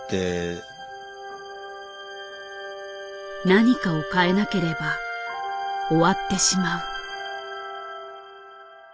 何かを変えなければ終わってしまう。